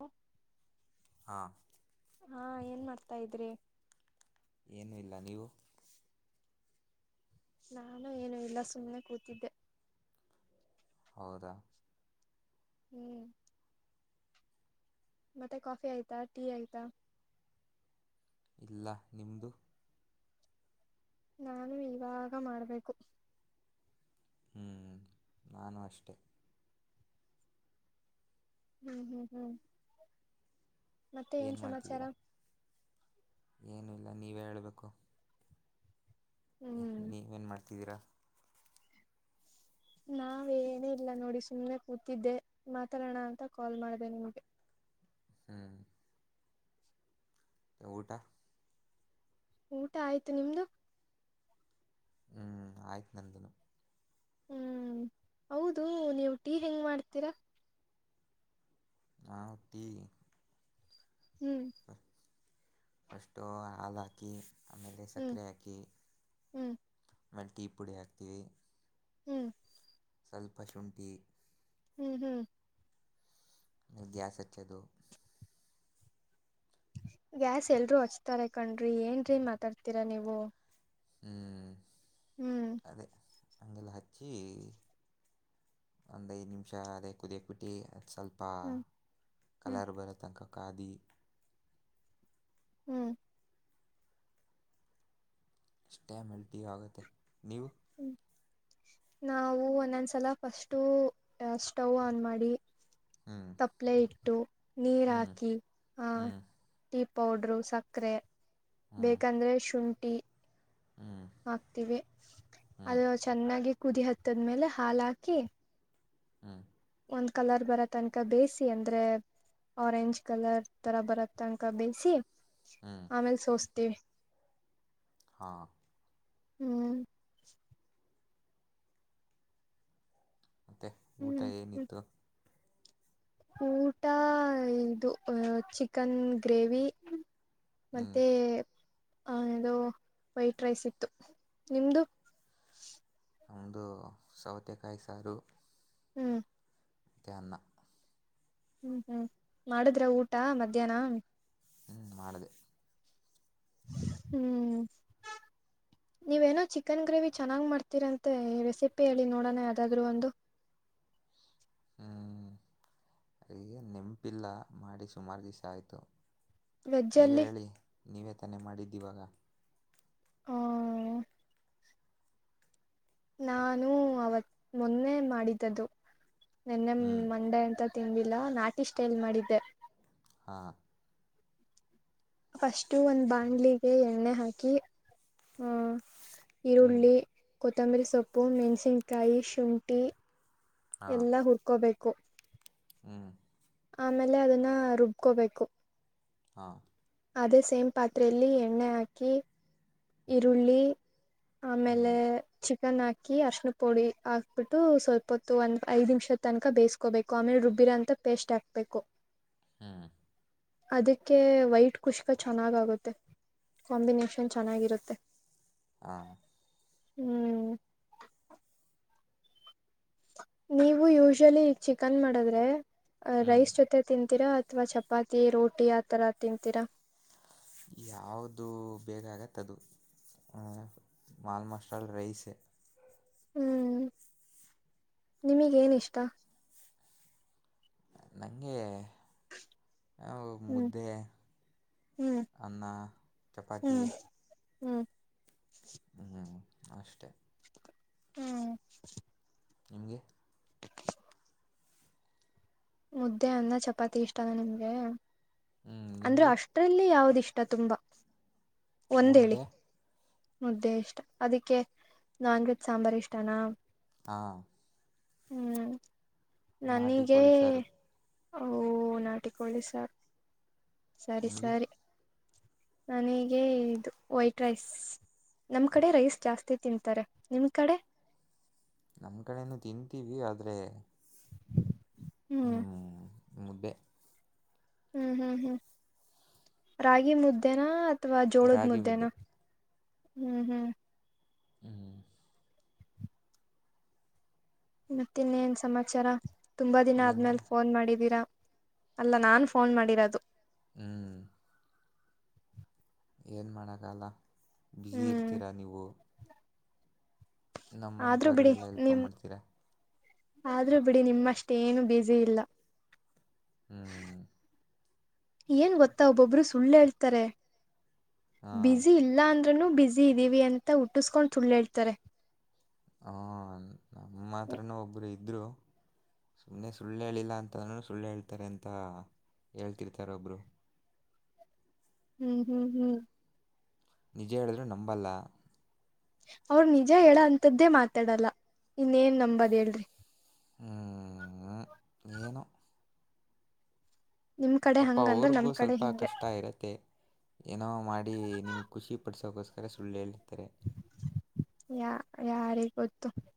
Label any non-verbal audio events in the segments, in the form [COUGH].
ಹ್ಮ ಹಾ ಹಾ ಏನ್ ಮಾಡ್ತಾ ಇದ್ರಿ ಏನೂ ಇಲ್ಲ ನೀವು ನಾನು ಏನು ಇಲ್ಲ ಸುಮ್ನೆ ಕೂತಿದ್ದೆ. ಹೌದಾ. ಹ್ಮ್. ಮತ್ತೆ ಕಾಫಿ ಆಯ್ತಾ ಟೀ ಆಯ್ತಾ ಇಲ್ಲ ನಿಮ್ದು ನಾನು ಇವಾಗ ಮಾಡ್ಬೇಕು ಹ್ಮ್ ನಾನು ಅಷ್ಟೆ ಹ್ಮ್ ಹ್ಮ್ ಹ್ಮ್ ಮತ್ತೆ ಏನ್ ಸಮಾಚಾರ ಮಾಡ್ತಿದ್ದೀರಾ ಏನು ಇಲ್ಲ ನೀವೇ ಹೇಳ್ಬೇಕು ಹ್ಮ್ ನೀವೇನ್ ಮಾಡ್ತಿದ್ದೀರಾ ನಾವೇನೇ ಇಲ್ಲ ನೋಡಿ ಸುಮ್ಮ್ನೆ ಕೂತಿದ್ದೆ ಮಾತಾಡೋಣ ಅಂತ ಕಾಲ್ ಮಾಡಿದೆ ನಿಮ್ಗೆ ಹ್ಮ್. ಊಟ. ಊಟ ಆಯ್ತು ನಿಮ್ದು ಹ್ಮ್ ಆಯ್ತು ನಂದಿನ ಹ್ಮ್ ಹೌದು ನೀವು ಟೀ ಹೆಂಗ್ ಮಾಡ್ತೀರಾ ನಾವು ಟೀ ಹ್ಮ್ ಫಸ್ಟು ಹಾಲು ಹಾಕಿ ಆಮೇಲೆ ಹ್ಮ್ ಸಕ್ಕರೆ ಹಾಕಿ ಹ್ಮ್ ಆಮೇಲೆ ಟೀ ಪುಡಿ ಹಾಕ್ತೀವಿ ಹ್ಮ್ ಸ್ವಲ್ಪ ಶುಂಠಿ ಹ್ಮ್ ಹ್ಮ್ ಗ್ಯಾಸ್ ಅಚ್ಚದು [UNINTELLIGIBLE] ಗ್ಯಾಸ್ ಎಲ್ರೂ ಹಚ್ತಾರೆ ಕಣ್ರಿ ಏನ್ರೀ ಮಾತಾಡ್ತೀರ ನೀವು ಹ್ಮ್ ಹ್ಮ್ ಹಗೆಲ್ಲ ಹಚ್ಚಿ ಒಂದು ಐದು ನಿಮಿಷ ಅದೇ ಕುದಿಯಕ್ ಬಿಟ್ಟು ಸ್ವಲ್ಪ ಹ್ಮ್ ಹ್ಮ್ ಕಲರ್ ಬರತ್ತನಕ ಪಕ್ಕಾಧಿ [UNINTELLIGIBLE] ಹ್ಮ್ ಅಷ್ಟೆ ಮೆಲ್ಟಿ ಆಗುತ್ತೆ ನೀವು ಹ್ಮ ನಾವು ಒಂದೊಂದ್ಸಲ ಫಸ್ಟು ಸ್ಟವ್ ಆನ್ ಮಾಡಿ ಹ್ಞೂ ತಪ್ಲೆ ಇಟ್ಟು ನೀರ ಹ್ಞೂ ಹಾಕಿ ಆ ಹ್ಞೂ ಪೌಡ್ರು ಸಕ್ಕರೆ ಹ್ಞೂ ಬೇಕಂದ್ರೆ ಶುಂಠಿ ಕ ಹ್ಞೂ ಹಾಕ್ತೀವಿ ಹ್ಞೂ ಅದು ಚೆನ್ನಾಗಿ ಕುದಿ ಹತ್ತದ್ಮೇಲೆ ಹಾಲಾಕಿ ಹ್ಮ ಒಂದ್ ಕಲರ್ ಬರ ತನಕ ಬೇಯಿಸಿ ಅಂದ್ರೆ ಆರೆಂಜ್ ಕಲರ್ ತರ ಬರ ತನಕ ಬೇಯಿಸಿ ಹ್ಞೂ ಆಮೇಲ್ ಸೋಸ್ತ ತ್ತೆ [UNINTELLIGIBLE] ಹಾ ಹ್ಮ್ ಮತ್ತ ಊಟ ಹ್ಮ್ ಹ್ಮ್ ಏನಿತ್ತು ಊಟ ಇದು ಚಿಕನ್ ಗ್ರೇವಿ ಹ್ಞೂ ಮತ್ತೆ ಹನದು ವೈಟ್ ರೈಸ್ ಇತ್ತು ನಿಮ್ದು ನಮ್ದು ಸೌತೆಕಾಯಿ ಸಾರು ಹ್ಮ್ ಮತ್ತೆ ಅನ್ನ ಹ್ಮ್ ಹ್ಮ್ ಮಾಡುದ್ರ ಊಟ ಮಧ್ಯಾಹ್ನ ಹ್ಮ್ ಮಾಡಿದೆ ಹ್ಮ್ ನೀವೇನೋ ಚಿಕನ್ ಗ್ರೇವಿ ಚೆನ್ನಾಗ್ ಮಾಡ್ತೀರಂತೆ ರೆಸಿಪಿ ಹೇಳಿ ನೋಡೋಣ ಯಾವ್ದಾದ್ರು ಒಂದು ಹ್ಮ್ ಈಗ ನೆಂಪಿಲ್ಲ ಮಾಡಿ ಸುಮಾರು ದಿವ್ಸ ಆಯ್ತು ವೆಜ್ ನೀವೆ ಅಲ್ಲಿ ಹೇಳಿ ನೀವೇ ತಾನೆ ಮಾಡಿದ್ದೀವಾಗ ಹ್ಮ ನಾನು ಅವತ್ ಮೊನ್ನೆ ಮಾಡಿದ್ದ್ದು ನಿನ್ನೆ ಹ್ಞೂ ಮಂಡೆ ಅಂತ ತಿಂಬಿಲ್ಲಾ ನಾಟಿ ಸ್ಟೈಲ್ ಮಾಡಿದ್ದೆ ಹಾ ಫಸ್ಟು ಒಂದ್ ಬಾಣ್ಲಿಗೆ ಎಣ್ಣೆ ಹಾಕಿ ಹ್ಮ ಹ್ಞೂ ಈರುಳ್ಳಿ ಕೊತ್ತಂಬರಿ ಸೊಪ್ಪು ಮೆಣ್ಸಿನ್ಕಾಯಿ ಶುಂಠಿ ಎಲ್ಲಾ ಹುರ್ಕೊಬೇಕು ಕ್ಕು ಹ್ಮ್ ಆಮೇಲೆ ಅದನ್ನ ರುಬ್ಕೋಬೇಕು ಹಾ ಅದೇ ಸೇಮ್ ಪಾತ್ರೆಯಲ್ಲಿ ಎಣ್ಣೆ ಹಾಕಿ ಈರುಳ್ಳಿ ಹ್ಞೂ ಆಮೇಲೆ ಚಿಕನ್ ಹಾಕಿ ಅರ್ಶನ ಪುಡಿ ಹಾಕ್ಬಿಟ್ಟು ಸ್ವಲ್ಪ ಹೊತ್ತು ಒಂದ ಐದ್ ನಿಮಿಷದ ತನಕ ಬೇಯಿಸ್ಕೋಬೇಕು ಆಮೇಲೆ ರುಬ್ಬಿರ ಅಂತ ಪೇಸ್ಟ್ ಹಾಕ್ಬೇಕು ಹ್ಮ್ ಅದಕ್ಕೆ ವೈಟ್ ಕುಷ್ಕ ಚೆನ್ನಾಗ್ ಆಗುತ್ತೆ ಕಾಂಬಿನೇಷನ್ ಚೆನ್ನಾಗಿರುತ್ತೆ ಹ ಹ್ಮ್ ನೀವು ಯೂಶಲಿ ಚಿಕನ್ ಮಾಡದ್ರೆ ಹ್ಞೂ ರೈಸ್ ಜೊತೆ ತಿಂತೀರಾ ಅ ಅಥವಾ ಚಪಾತಿ ರೋಟಿ ಆತರ ತಿಂತೀರಾ ಯಾವುದು ಬೇಗ ಆಗತ್ತೆ ಅದು ಆಲ್ಮೋಸ್ಟಾಲ್ ರೈಸೇ ಹ್ಮ್ ನಿಮಗೇನ ಇಷ್ಟ ನಂಗೆ ಹ್ಮ್ ಮುದ್ದೆ ಹ್ಮ್ ಅನ್ನ ಚಪಾತಿ ಹ್ಮ್ ಹ್ಮ್ [INAUDIBLE] ಅಷ್ಟೇ ಹ್ಮ್ ನಿಮಗೆ ಮುದ್ದೆ ಅನ್ನ ಚಪಾತಿ ಇಷ್ಟಾನ ನಿಮ್ಗೆ ಹ್ಞೂ, ಅಂದ್ರೆ ನಿಮಗೆ ಅಷ್ಟ್ರಲ್ಲಿ ಯಾವ್ದಿಷ್ ತುಂಬ ಒಂದೇಳಿ ಮುದ್ದೆ ಮುದ್ದೆ ಇಷ್ಟ ಅದಿಕ್ಕೆ ನಾನ್ ವೆಜ್ ಸಾಂಬಾರ್ ಇಷ್ಟನಾ ಹಾಂ ಹ್ಮ್ ನಾಟಿ ನನಿಗೆ ಕೋಳಿ ಸಾರು ನಾಟಿಕೋಳಿ ಸಾರು ಸರಿ ನಿಮಗೆ ಸರಿ ನನಗೆ ಇದು ವೈಟ್ ರೈಸ್ ನಮ್ ಕಡೆ ರೈಸ್ ಜಾಸ್ತಿ ತಿಂತಾರೆ ನಿಮ್ ಕಡೆ ನಮ್ ಕಡೆೇನು ತಿಂತೀವಿ ಆದ್ರೆ ಹ್ಮ್ ಮುದ್ದೆ ಹ್ಮ್ ಹ್ಮ್ ಹ್ಮ್ ರಾಗಿ ಮುದ್ದೇನಾ ಅ ಅಥವಾ ಜೋಳದ್ ರಾಗಿ ಮುದ್ದೆನ ಮುದ್ದೆ ಹ್ಮ್ ಹ್ಮ್ ಹ್ಮ್ ಮತ್ತ ಇನ್ನೇನ್ ಸಮಾಚಾರ ತುಂಬಾ ದಿನ ಏನಿಲ್ಲ ಆದ್ಮೇಲೆ ಫೋನ್ ಮಾಡಿದೀರಾ ಅಲ್ಲ ನಾನ್ ಫೋನ್ ಮಾಡಿರೋದು ಹ್ಮ್ ಏನ್ ಮಾಡಕಾಗಲ್ಲ ಬ್ಯುಸಿ ಹ್ಮ್ ಇರ್ತೀರಾ ನೀವು ಆದ್ರೂ ಬಿಡಿ ನಮ್ಮಂತವ್ರಿಗೆಲ್ಲಾ ಎಲ್ಲಾ ಎಲ್ಲಿ ಫೋನ್ ನಿಮ್ ಮಾಡ್ತೀರಾ ಆದ್ರೂ ಬಿಡಿ ನಿಮ್ಮಷ್ಟೇ ಏನು ಬಿಜಿ ಇಲ್ಲ [INAUDIBLE] ಹ್ಮ್ ಏನ್, ಗೊತ್ತಾ ಒಬ್ಬೊಬ್ರು, ಸುಳ್ಳೇ ಹೇಳ್ತಾರೆ. ಹಾ [INAUDIBLE] ಬಿಸಿ, ಇಲ್ಲ ಅಂದ್ರೆ. [INAUDIBLE] ಅವನು, ಬಿಸಿ, ಇದ್ದೀವಿ ಅಂತ ಹುಟ್ಟಿಸ್ಕೊಂಡ್, ಸುಳ್ಳು, ಹೇಳ್ತಾರೆ. [INAUDIBLE] ಹ್ಮ, ನಮ್ಮ, ಆತ್ರನೇ, ಒಬ್ಬರು. [INAUDIBLE] ಇದರು, ಸುಮ್ಮನೆ ಸುಳ್ಳು ಹೇಳಿಲ್ಲ, ಅಂತ ಸುಳ್ಳು ಹೇಳ್ತಾ, ಇರುತಾ ಹೇಳ್ತಿರ್ತಾರೆ, ಒಬ್ರು. [UNINTELLIGIBLE] ಹ್ಮ್ ಹ್ಮ್ ಹ್ಮ್ ನಿಜ ಹೇಳಿದ್ರು ನಂಬಲ್ಲ ಅವ್ರ ನಿಜ ಹೇಳ ಅಂತದ್ದೇ ಮಾತಾಡಲ್ಲ ಇನ್ನೇನ್ ನಂಬದ ಹೇಳ್ರಿ ಹ್ಮ್ ಆ ಏನೋ ನಿಮ್ ಕಡೆ ಅಪ್ಪ, ಹಂಗಂದ್ರೆ ನಮ್ ಅವ್ರಗೂ ಕಡೆ ಸ್ವಲ್ಪ, ಹಿಂಗೆ ಕಷ್ಟ ಇರತ್ತೆ! ಏನೋ ಮಾಡಿ, ನಿಮಗೆ ಖುಷಿ ಪಡ್ಸೋಕೋಸ್ಕರ. [INAUDIBLE] ಬಾರಿ, ಸುಳ್ಳಲ್ಲಿ. [INAUDIBLE] ಯಾ, ಯಾರಿಗೆ, ಗೊತ್ತು ತ್ತ. [INAUDIBLE]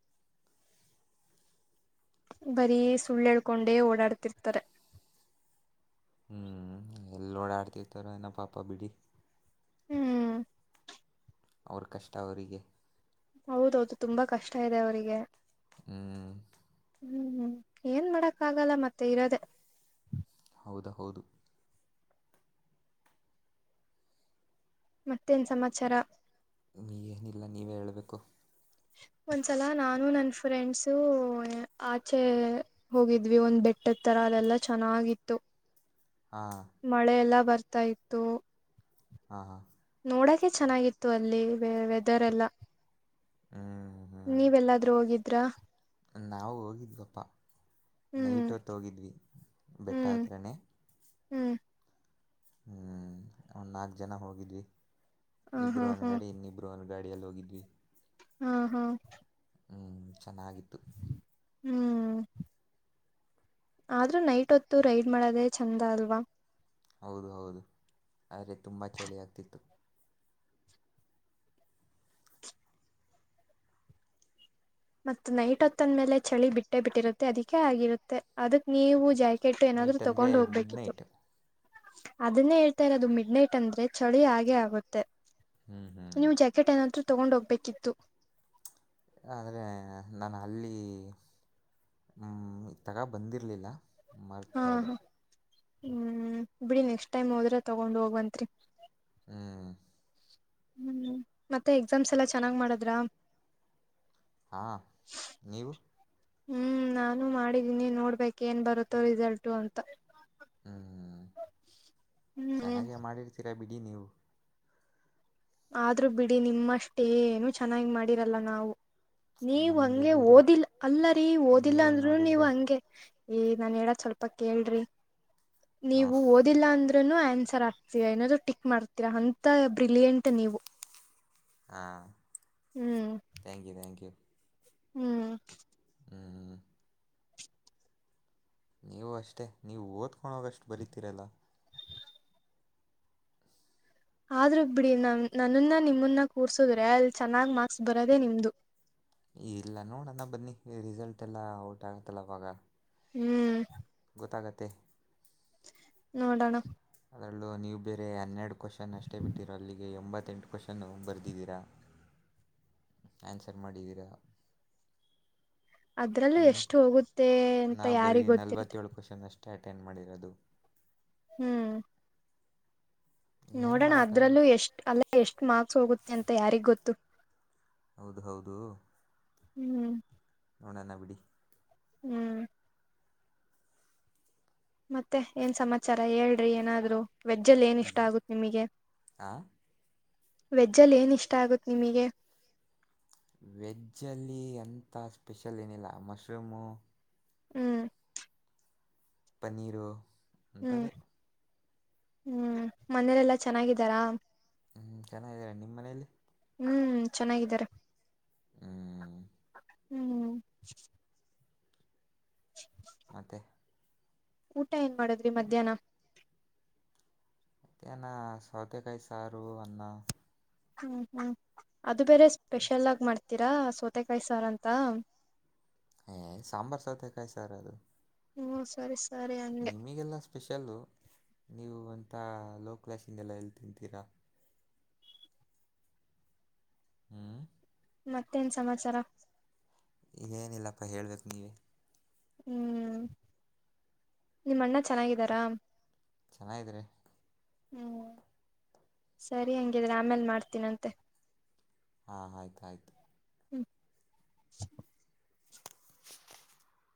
ಬರೀ, ಸುಳ್ಳೆಳ್ಕೊಂಡೇ, ಓಡಾಡ್ತಿರ್ತಾರೆ. [INAUDIBLE] ಹ್ಮ್, ಎಲ್ಲಿ, ಒಡ್ಡಿಯಾಡುತ್ತಾ, ಇರುತ್ತಾರೆ, ಏನೋ, ಪಾಪ ಬಿಡಿ. [INAUDIBLE] ಹ್ಮ್... [INAUDIBLE] ಅವ್ರ, ಕಷ್ಟ, ಅವರಿಗೆ.. [INAUDIBLE] ಹೌದೌದು, ತುಂಬಾ, ಕಷ್ಟ ಇದೆ ಅವರಿಗೆ. ಹ್ಞೂ [INAUDIBLE] ಹ್ಮ್ ಹ್ಮ್, ಏನ್ ಮಾಡಕ್, ಆಗಲ್ಲ, ಮತ್ತೆ ಇರೋದೆೇ. [INAUDIBLE] ಹೌದ, ಹೌದು. [INAUDIBLE] ಮತ್ತೇನ್, ಸಮಾಚಾರ. [INAUDIBLE] ಎನ್ಯೂಲಾ, ನೀವೇ ಹೇಳ್ಬೇಕು. [INAUDIBLE] ಒಂದ್ಸಲ, ನಾನು ನನ್ ಫ್ರೆಂಡ್ಸು, ಆಚೆ ಹೋಗಿದ್ವಿ. ಒಂದ್ ಬೆಟ್ಟದ ತರ ಅದೆಲ್ಲಾ ಚೆನ್ನಾಗಿತ್ತು. [INAUDIBLE] ಹಾಂ ಮಳೆ, ಎಲ್ಲ, ಬಾ. [INAUDIBLE] ಬರ್ತಾ, ಇತ್ತು. [INAUDIBLE] ಹಾ, ಹಾ. [INAUDIBLE] ನೋಡಕೆ, ಚೆನ್ನಾಗಿತ್ತು, ಅಲ್ಲಿ, ವೆ, ವೆದರ್ ಎಲ್ಲ.. [INAUDIBLE] ಹ್ಮ್. [INAUDIBLE] ನೀವೆಲ್ಲಾದ್ರೂ ಹೋಗಿದ್ರ? [INAUDIBLE] ನಾವು, ಹೋಗಿದ್ವಪ್ಪ, ಹ್ಮ್ ನೈಟ್ ಹೊತ್ತು, ಹೋಗಿದ್ವಿ ಬೆಟ್ಟ, ಹ್ಮ್ ಹತ್ರನೇ. [INAUDIBLE] ಹ್ಮ್.. [INAUDIBLE] ಹ್ಮ್, ಒಂದು, ನಾಲ್ಕು ಜನ, ಹೋಗಿದೀವಿ. ಹ [INAUDIBLE] ಹಾ ಇಬ್ರುರು, ವನ್, ಹಾ ಗಡಿ ಇನ್ ಇಬ್ಬರು, ಇನು. [INAUDIBLE] ಗಾಡಿಯಲ್ಲಿ, ಹೋಗಿದ್ವಿ. [INAUDIBLE] ಹಾ, ಹಾ. [INAUDIBLE] ಹ, ಚೆನ್ನಾಗಿತ್ತು. [INAUDIBLE] ಹ್ಮ್. [INAUDIBLE] ಆದ್ರೂ, ನೈಟ್ ಹೊತ್ತು ರೈಡ್ ಮಾಡದೇ, ಚೆಂದ ಅಲ್ವಾ. [INAUDIBLE] ಹೌದು, ಹೌದು, ಆದರೆ, ತುಂಬ ಚಳಿ ಆಗ್ತಿತ್ತು. [INAUDIBLE] ಮತ್ತ ನೈಟ್ ಹೊತ್ತಂದ್ಮೇಲೆ ಚಳಿ ಬಿಟ್ಟೇ ಬಿಟ್ಟಿರುತ್ತೆ ಅದಿಕೇ ಆಗಿರುತ್ತೆ ಅದಕ್ ನೀವು ಜಾ ಕೆಟ್ಟು ಏನಾದ್ರು ನೈಟ್ ಅಂದರೆ ತಗೊಂಡು ಮಿಡ್ ಹೋಗ್ಬೇಕಿತ್ತು ನೈಟ್ ಅದನ್ನೇ ಹೇಳ್ತಾ ಇರೋದು ಮಿಡ್ ನೈಟ್ ಅಂದ್ರೆ ಚಳಿ ಹಾಗೆ ಆಗುತ್ತೆ ಹ್ಮ್ ಹ್ಮ್ ನೀವು್ ಜಾಕೆಟ್ ಏನಾದ್ ರು ತಗೊಂಡೊಗ್ಬೇಕಿತ್ತು ಆದ್ರೆ ನಾನು ಅಲ್ಲಿ ಹ್ಮ ತಗ ಬಂದಿರ್ಲಿಲ್ಲ ಹಾ ಮರ್ತೋದೆ ಹ ಹ್ಮ್, ಬಿಡಿ ನೆಕ್ಸ್ಟ್ ಟೈಮ್, ಹೋದ್ರೆ ತಗೊಂಡ್ ಹೋಗಂತ್ರಿ. [INAUDIBLE] ಹ್ಮ್ ಹ್ಮ್, ಮತ್ತೆ, ಎಕ್ಸಾಮ್ಸ್ ಎಲ್ಲಾ! ಚೆನ್ನಾಗ್ ಮಾಡದ್ರ? [INAUDIBLE] ಹಾ, ನೀವು. [INAUDIBLE] ಹ್ಮ್, ನಾನು ಮಾಡಿದೀನಿ! ನೋಡ್ಬೇಕಕ್ ಏನ್ ಬರುತ್ತೋ, ರಿಸಲ್ಟು ಅಂತ. [INAUDIBLE] ಹ್ಮ್, ಹ್ಮ್ ಚೆನ್ನಾಗೆ,, ಮಾಡಿರ್ತೀರಾ, ಬಿ.. [INAUDIBLE] ಅಜ್ಜಿ, ನೀವು. [INAUDIBLE] ಆದ್ರೂ ಬಿಡಿ ನಿಮ್ಮಷ್ಟೇ ಏನು ಚೆನ್ನಾಗಿ ಮಾಡಿರಲ್ಲ ನಾವು ನೀವ್ ನಮ್ದು ಹಂಗೆ ಎಲ್ರಿ ಓದಿಲ್ಲ ಅಲ್ಲರಿ ಓದಿಲ್ಲ ನೀವು ಅಂದ್ರರು ನೀವ್ ನೋಡಿದರೆ ಹಂಗೆ ಈ ನನ್ ಹೇಳ ಸ್ವಲ್ಪ ಕೇಳ್ರಿ ಹಾಂ ನೀವು ಓದಿಲ್ಲ ಅಂದ್ ಆನ್ಸರ್ ಆಗ್ತೀ ಏನಾದ್ರು ಟಿಕ್ ಮಾಡ್ತೀರಾ ಅಂತ ಬ್ರಿಲಿಯಂಟ್ ಮ ನೀವು ಹಾ ಹ್ಮ್ ಥಾಂಕ್ ಯು ಥ್ಯಾಂಕ್ ಯು ಹ್ಮ್ [UNINTELLIGIBLE] ಹ್ಮ್ [INAUDIBLE] ನೀವು ಅಷ್ಟೇ ನೀವು ಓದ್ಕೊಂಡೋಗಷ್ಟು ಬರಿತೀರಲ್ಲ ಆದ್ರೂ ಬಿಡಿ ನ ನನ್ನನ್ನ ನಿಮ್ಮನ್ನ ಕೂರ್ಸುದ್ರೆ ಅಲ್ಲಿ ಚೆನ್ನಾಗಿ ಮಾರ್ಕ್ಸ್ ಬರೋದೆೇ ನಿಮ್ದು ಇಲ್ಲ ನೋಡಣ ಬನ್ನಿ ರಿಸಲ್ಟ್ ಎಲ್ಲಾ ಔಟ್ ಆಗತ್ತಲ್ಲ ಅವವಾಗ ಹ್ಮ್ [UNINTELLIGIBLE] ನೋಡಣ ಅದರಲ್ಲೂ ನೀವು ಬೇರೆ ಹನ್ನೆರಡು ಕ್ವಶ್ನ್ ಅಷ್ಟೇ ಬಿಟ್ಟಿರೋ ಅಗೆ ಎಂಬತ್ತು ಹತ್ತೆಂಟು ಕ್ವೆಶನ್ನು ಬರೆದಿದ್ದೀರಾ ಆನ್ಸರ್ ಮಾಡಿದ್ದೀರಾ ಅದ್ರಲ್ಲೂ ಹ್ಞೂ ಎಷ್ಟು ಹೋಗುತ್ತೆ ಅಂತ ಯಾರಿಗ್ ಗೊತ್ತಿರುತ್ತೆ ಸ್ಟಟೈನ್ ಮಾಡಿರೋದು ಹ್ಮ್ ಏನು ನೋಡೋಣ ಮಾಡೋಕ್ಕಾಗಲ್ಲ ಅದ್ರಲ್ಲೂ ಎಷ್ಟ ಅಲ್ಲ ಎಷ್ಟು ಮಾರ್ಕ್ಸ್ ಹೋಗುತ್ತ ಎಂತ ಯಾರಿಗ್ ಗೊತ್ತು ಹೌದ ಹೌದು ಹ್ಮ್ ಅವಡನ್ನ ಬಿಡಿ ಹ್ಮ್ ಮತ್ತೆ ಏನ್ ಸಮಾಚಾರ ಹೇಳಏ್ರ ಏನಾದ್ರು ವೆಜ್ಜಲ್ಲಿ ಏನಿಷ್ಟ ಆಗುತ್ತೆ ನಿಮಗೆ ಹಾಂ ವೆಜ್ಜಲ್ಲಿ ಏನಿಷ್ಟ ಆಗುತ್ತೆ ನಿಮಗೆ ವೆಜ್ಜಲ್ಲಿ ಎಂಥ ಸ್ಪೆಷಲ್ ಏನಿಲ್ಲ ಮಶ್ರೂಮು ಹ್ಮ್ ಪನನ್ನರು ಹ್ಮ್ ಅಂತವೇ ಹ್ಮ್ ಮನೇಲೆಲ್ಲಾ ಚೆನ್ನಾಗಿದ್ದಾರಾ ಹ್ಮ್ ಚೆನ್ನಾಗೀರ ನಿಮ್ಮ್ ಮನೇಲಿ ಹ್ಮ್ ಚೆನ್ನಾಗಿದ್ದಾರೆ ಹ್ಞೂ ಹ್ಮ್ [INAUDIBLE] ಮತ್ತೆ ಊಟ ಏನ್ ಮಾಡದ್ರಿ ಮಧ್ಯಾಹ್ನ ತ್ತನ ಸೌತೆ ಕೈ ಸಾರು ಅನ್ನ ಹ್ಮ್ ಹ್ಮ್ ಅದು ಬೇರೆ ಸ್ಪೆಷಲ್ ಆಗಿ ಮಾಡ್ತೀರಾ ಸ ಮತ್ತೆ ಕಾಯ ಸಾರ ಅಂತ ಹ ಸಾಂಬಾರ್ ಸಾತ ಕಾಯ ಸರ್ ಅದು ಹ್ಮ ಸರಿ ಸರಿ ಹಂಗೆ ನಿಮಗೆಲ್ಲ ಸ್ಪೆಷಲ್ಲ ನೀವು ಒ ಇಂತಾ ಲೋ ಕ್ಲಾಶಿಂದ ಎಲ್ಲಾ ಹೇಳ್ ತಿಂತೀರಾ ಹ್ಮ ಮತ್ತೇನ್ ಸಮಾಚಾರ ಇದಗೇನಿಲ್ಲಪ್ಪ ಹೇಳಬೇಕು ನೀವೇ ಹ್ಮ್ ನಿಮ್ಮಣ್ಣ ಚೆನ್ನಾಗಿದ್ದಾರಾ ಚೆನ್ನ್ರ ಹ್ಮ್ ಸರಿ ಹಾಗಂಗಿದ್ರೆ ಆಮೇಲ್ ಮಾಡ್ತೀನಂತೆ ಹಾ ಆಯ್ತ ಆಯ್ತು ಹ್ಮ್